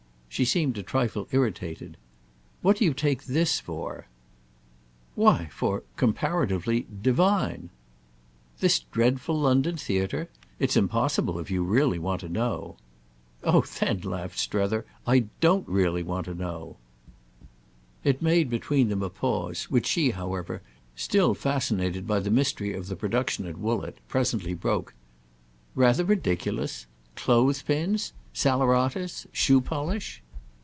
She seemed a trifle irritated. "What do you take this for?" "Why for—comparatively—divine!" "This dreadful London theatre? It's impossible, if you really want to know." "Oh then," laughed Strether, "I don't really want to know!" It made between them a pause, which she, however, still fascinated by the mystery of the production at Woollett, presently broke. "'Rather ridiculous'? Clothes pins? Saleratus? Shoe polish?"